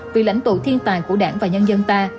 vì lãnh tụ thiên tài của đảng và nhân dân ta